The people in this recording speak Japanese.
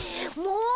もう！